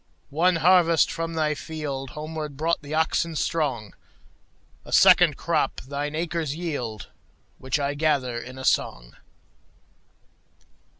One harvest from thy fieldHomeward brought the oxen strong;A second crop thine acres yield, Which I gather in a song.